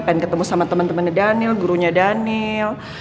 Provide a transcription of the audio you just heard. pengen ketemu sama temen temennya daniel gurunya daniel